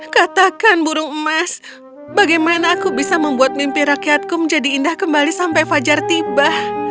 katakan burung emas bagaimana aku bisa membuat mimpi rakyatku menjadi indah kembali sampai fajar tiba